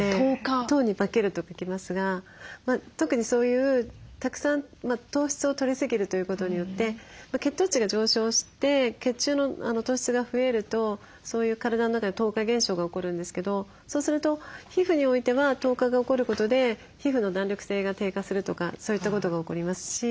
糖に化けると書きますが特にそういうたくさん糖質をとりすぎるということによって血糖値が上昇して血中の糖質が増えるとそういう体の中で糖化現象が起こるんですけどそうすると皮膚においては糖化が起こることで皮膚の弾力性が低下するとかそういったことが起こりますし。